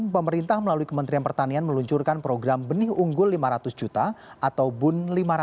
pemerintah melalui kementerian pertanian meluncurkan program benih unggul lima ratus juta atau bun lima ratus